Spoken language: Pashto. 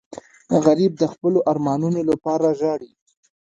غریب د خپلو ارمانونو لپاره ژاړي